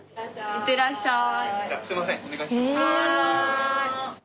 いってらっしゃい。